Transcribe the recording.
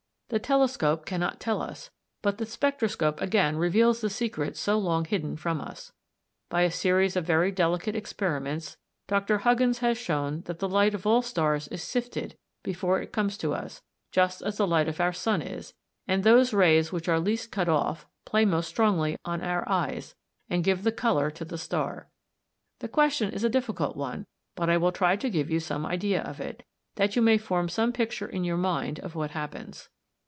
The telescope cannot tell us, but the spectroscope again reveals the secrets so long hidden from us. By a series of very delicate experiments, Dr. Huggins has shown that the light of all stars is sifted before it comes to us, just as the light of our sun is; and those rays which are least cut off play most strongly on our eyes, and give the colour to the star. The question is a difficult one but I will try to give you some idea of it, that you may form some picture in your mind of what happens.